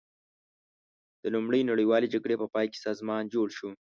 د لومړۍ نړیوالې جګړې په پای کې سازمان جوړ شو.